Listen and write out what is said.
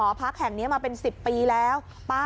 แล้วคุณป้าบอกรถคันเนี้ยเป็นรถคู่ใจเลยนะใช้มานานแล้วในการทำมาหากิน